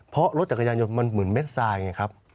เพราะรถจักรยานยนต์มันเหมือนเม็ดไซด์ไงครับ